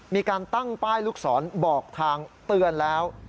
มีการตั้งป้ายลูกศรบอกทางเตือนแล้ว